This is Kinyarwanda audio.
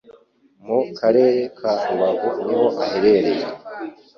mu Karere ka Rubavu niho aherereye.